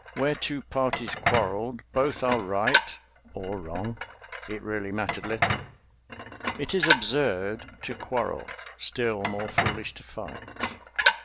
Where two parties quarreled, both are right—or wrong—it really mattered little. It is absurd to quarrel—still more foolish to fight.